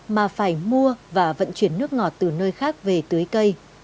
mà phải mua và vận chuyển nước ngọt từ nơi khác về tưới cây